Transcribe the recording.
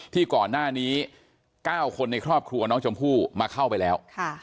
ที่ก่อนหน้านี้๙คนในครอบครัวน้องชมพู่มาเข้าไปแล้ว